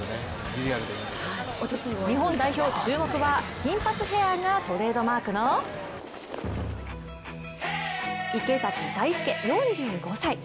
日本代表、注目は金髪ヘアーがトレードマークの池崎大輔、４５歳。